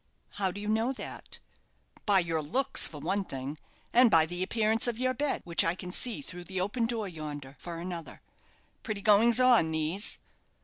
"How do you know that?" "By your looks, for one thing: and by the appearance of your bed, which I can see through the open door yonder, for another. Pretty goings on, these!"